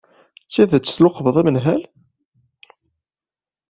D tidet tluqbeḍ anemhal?